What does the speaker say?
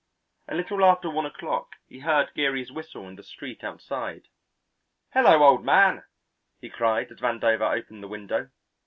A little after one o'clock he heard Geary's whistle in the street outside. "Hello, old man!" he cried as Vandover opened the window.